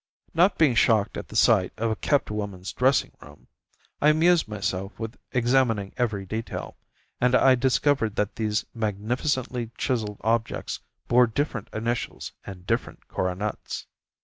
Not being shocked at the sight of a kept woman's dressing room, I amused myself with examining every detail, and I discovered that these magnificently chiselled objects bore different initials and different coronets.